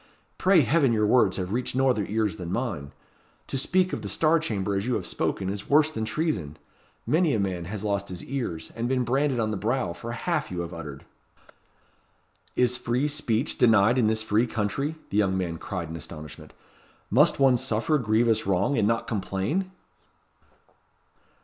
"Pray heaven your words have reached no other ears than mine! To speak of the Star Chamber as you have spoken is worse than treason. Many a man has lost his ears, and been branded on the brow, for half you have uttered." "Is free speech denied in this free country?" the young man cried in astonishment. "Must one suffer grievous wrong, and not complain?"